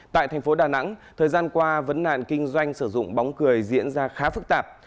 tại thành phố đà nẵng thời gian qua vấn nạn kinh doanh sử dụng bóng cười diễn ra khá phức tạp